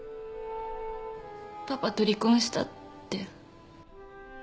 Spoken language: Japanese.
パパと離婚したって。